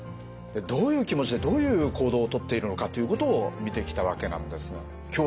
どういう気持ちでどういう行動を取っているのかということを見てきたわけなんですが今日は？